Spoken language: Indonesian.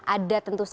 ada tentu saja